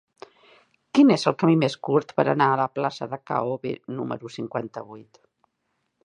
Quin és el camí més curt per anar a la plaça de K-obe número cinquanta-vuit?